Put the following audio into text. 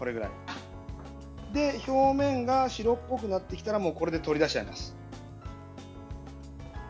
表面が白っぽくなってきたらこれで取り出しちゃいます。